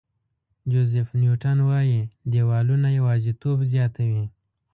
جوزیف نیوټن وایي دیوالونه یوازېتوب زیاتوي.